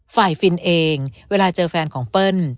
ฟินเองเวลาเจอแฟนของเปิ้ล